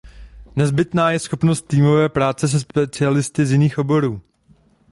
Nezbytná je schopnost týmové práce se specialisty z jiných oborů.